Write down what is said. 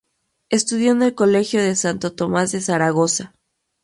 Estudió en el colegio de Santo Tomás de Zaragoza.